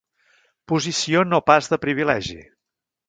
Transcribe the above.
Posició no pas de privilegi.